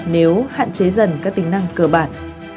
nếu hạn chế dần các tính năng cơ bản